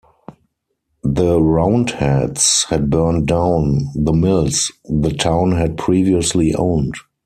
The Roundheads had burnt down the mills the town had previously owned.